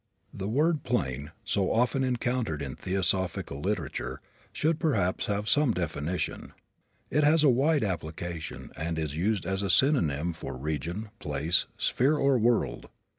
The word "plane," so often encountered in theosophical literature, should perhaps have some definition. It has a wide application and is used as a synonym for region, place, sphere or world.